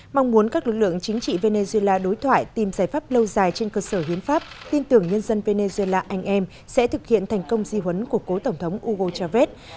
mong muốn các lực lượng chính trị venezuela đối thoại tìm giải pháp lâu dài trên cơ sở hiến pháp tin tưởng nhân dân venezuela anh em sẽ thực hiện thành công di huấn của cố tổng thống hugo chávez